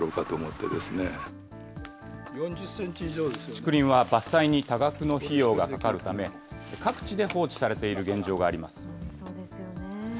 竹林は伐採に多額の費用がかかるため、各地で放置されている現状があります。